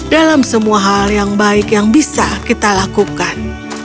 dalam semua hal yang baik yang bisa kita lakukan